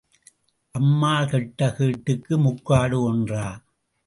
அம்மாள் கெட்ட கேட்டுக்கு முக்காடு ஒன்றா?